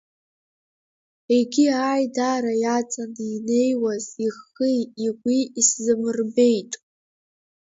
Егьи аидара иаҵаны инеиуаз ихи игәи исзамырбеит.